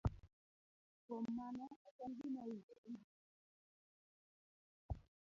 Kuom mano ok en gima owinjore mar kwedo joma nigi tuoni.